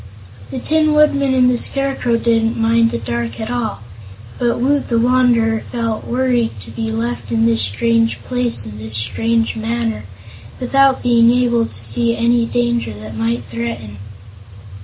The Tin Woodman and the Scarecrow didn't mind the dark at all, but Woot the Wanderer felt worried to be left in this strange place in this strange manner, without being able to see any danger that might threaten.